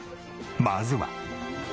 まずは。